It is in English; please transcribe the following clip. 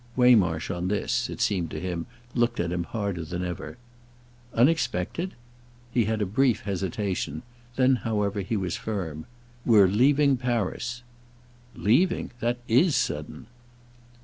Waymarsh, on this, it seemed to him, looked at him harder than ever. "'Unexpected'?" He had a brief hesitation; then, however, he was firm. "We're leaving Paris." "Leaving? That is sudden."